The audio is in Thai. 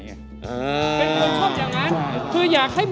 เป็นคนชอบอย่างนั้น